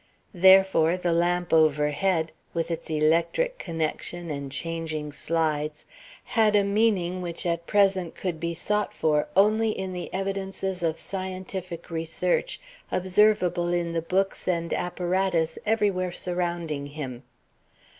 Therefore, the lamp overhead, with its electric connection and changing slides, had a meaning which at present could be sought for only in the evidences of scientific research observable in the books and apparatus everywhere surrounding him.